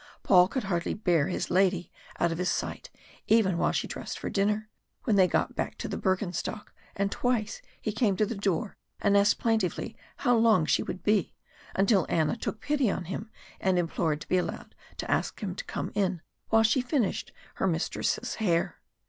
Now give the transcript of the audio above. Paul could hardly bear his lady out of his sight, even while she dressed for dinner, when they got back to the Bürgenstock, and twice he came to the door and asked plaintively how long she would be, until Anna took pity on him, and implored to be allowed to ask him to come in while she finished her mistress's hair.